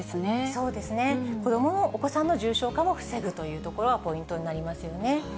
そうですね、子ども、お子さんの重症化も防ぐというところがポイントになりますよね。